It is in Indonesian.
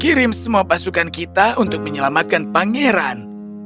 kirim semua pasukan kita untuk menyelamatkan pangeran